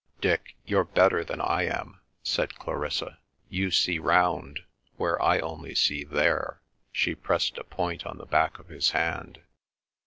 "Dick, you're better than I am," said Clarissa. "You see round, where I only see there." She pressed a point on the back of his hand.